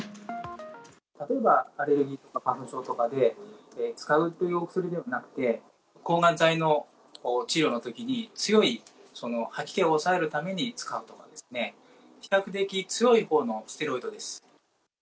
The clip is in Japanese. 例えば、アレルギーとか花粉症とかで使うというお薬ではなくて、抗がん剤の治療のときに、強い吐き気を抑えるために使うとかですね、比較的強いほうのステロイドです。